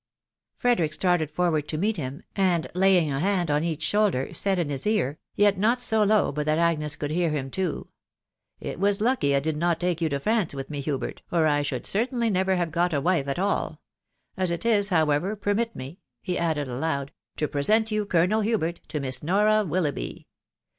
Frederick started forward to meet him, and laying a hand on each shoulder, said in his ear, yet not so low but that Agnes heard him too — "It was kicky I did not take you to France with me, Hubert, or I should certainly never have got a wife at all ; as it is, however, permit me" — he added aloud — "to present you, Colonel Hubert, to Miss Nora WiHoughby.